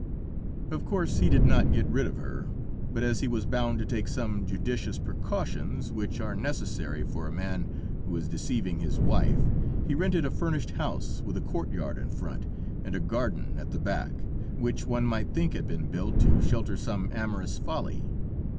Of course he did not get rid of her, but as he was bound to take some judicious precautions, which are necessary for a man who is deceiving his wife, he rented a furnished house with a courtyard in front, and a garden at the back, which one might think had been built to shelter some amorous folly.